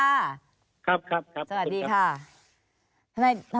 ครับครับสวัสดีค่ะ